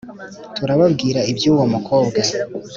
turababwira iby ‘ubwo mukobwa.